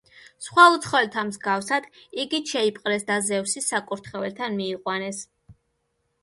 სხვა უცხოელთა მსგავსად იგიც შეიპყრეს და ზევსის საკურთხეველთან მიიყვანეს.